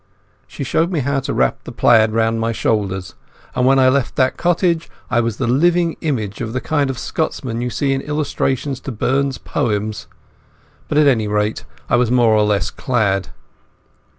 She showed me how to wrap the plaid around my shoulders, and when I left that cottage I was the living image of the kind of Scotsman you see in the illustrations to Burns's poems. But at any rate I was more or less clad.